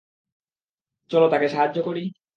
চলো তাকে সাহায্য করি?